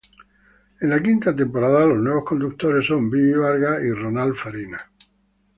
En la quinta temporada los nuevos conductores son Bibi Vargas y Ronald Farina.